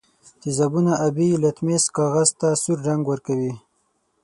تیزابونه آبي لتمس کاغذ ته سور رنګ ورکوي.